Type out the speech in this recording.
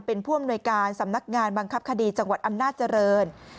เป็นผู้อำนวยการสำนักงานบังคับคดีจังหวัดอำนาจริง